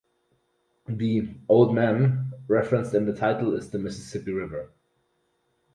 The "Old Man" referenced in the title is the Mississippi River.